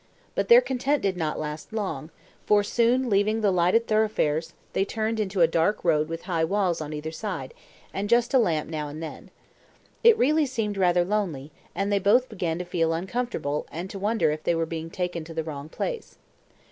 But their content did not last long, for soon leaving the lighted thoroughfares, they turned into a dark road with high walls on either side, and just a lamp now and then. It really seemed rather lonely, and they both began to feel uncomfortable and to wonder if they were being taken to the wrong place.